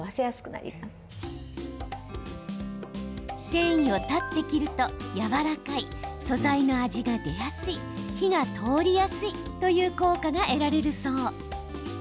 繊維を断って切るとやわらかい、素材の味が出やすい火が通りやすいという効果が得られるそう。